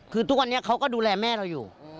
คือทุกวันนี้เขาก็ดูแลแม่เราอยู่